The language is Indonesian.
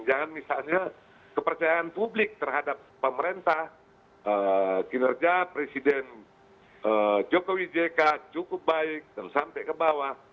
jangan misalnya kepercayaan publik terhadap pemerintah kinerja presiden jokowi jk cukup baik dan sampai ke bawah